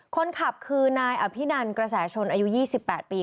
คนขับคือนายอภินันกระแสชนอายุ๒๘ปี